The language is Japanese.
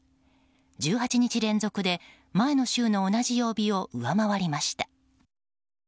１８日連続で前の週の同じ曜日を上回りました。